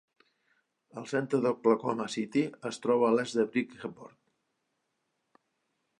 El centre d'Oklahoma City es troba a l'est de Bridgeport.